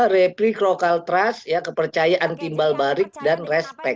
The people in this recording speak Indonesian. repli local trust kepercayaan timbal balik dan respect